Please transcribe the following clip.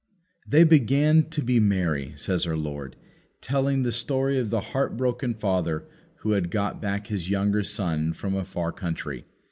"They began to be merry," says our Lord, telling the story of the heart broken father who had got back his younger son from a far country.